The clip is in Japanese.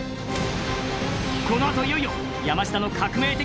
このあといよいよ山下の革命的